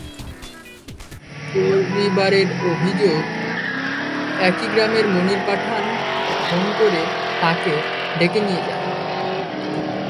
পরিবারের অভিযোগ, একই গ্রামের মনির পাঠান ফোন করে তাঁকে ডেকে নিয়ে যান।